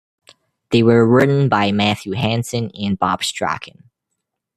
They were written by Matthew Hansen and Bob Strachan.